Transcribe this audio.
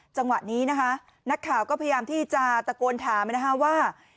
จังหวะนี้นะคะนักข่าวก็พยายามที่จะตะโกนถามนะคะว่า